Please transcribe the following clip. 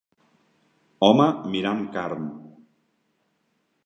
Home mirant carn.